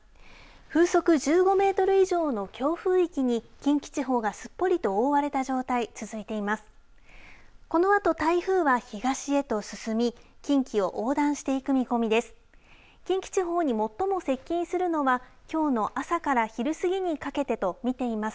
風速１５メートル以上の強風域に近畿地方がすっぽりと覆われた状態、続いています。